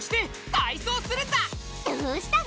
どうしたの？